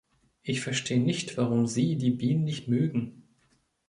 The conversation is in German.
Ich verstehe nicht, warum Sie die Bienen nicht mögen.